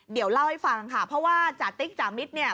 เดี๋ยวเล่าให้ฟังค่ะเพราะว่าจาติ๊กจามิตรเนี่ย